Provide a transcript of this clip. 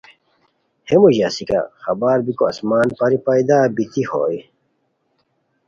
ہے موژی اسیکہ خبر بیکو آسمان پری پیدا بیتی ہوئے